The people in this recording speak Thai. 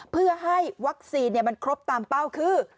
เพื่อให้วัคซีนมันครบตามเป้าคือ